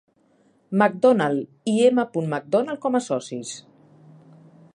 McDonald i M. McDonald com a socis.